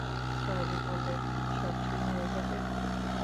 Sorry বললে কি সব ঠিক হয়ে যাবে?